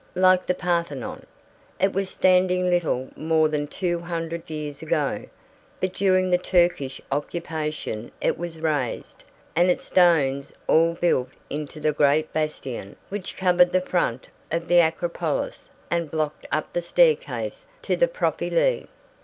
Like the Parthenon, it was standing little more than two hundred years ago, but during the Turkish occupation it was razed, and its stones all built into the great bastion which covered the front of the Acropolis and blocked up the staircase to the Propylaea.